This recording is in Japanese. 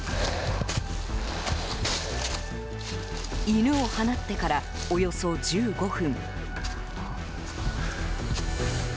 犬を放ってからおよそ１５分。